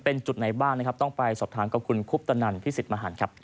เป็นจุดไหนบ้างนะครับต้องไปสอบถามกับคุณคุปตนันพิสิทธิ์มหันครับ